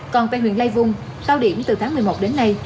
còn tại huyện lai vung cao điểm từ tháng một mươi một đến nay